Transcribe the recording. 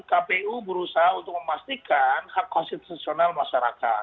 kpu berusaha untuk memastikan hak konstitusional masyarakat